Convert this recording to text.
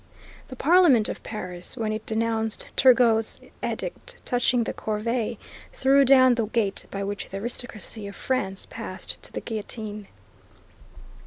The Parliament of Paris, when it denounced Turgot's edict touching the corvée, threw wide the gate by which the aristocracy of France passed to the guillotine.